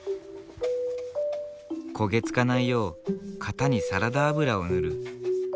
焦げ付かないよう型にサラダ油を塗る。